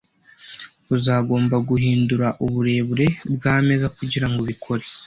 Uzagomba guhindura uburebure bwameza kugirango bikore.